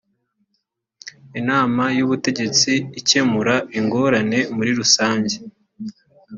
inama y’ubutegetsi ikemura ingorane muri rusange